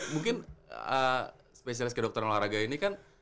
mungkin spesialis kedokteran olahraga ini kan